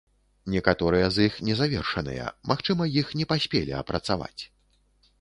Некаторыя з іх незавершаныя, магчыма іх не паспелі апрацаваць.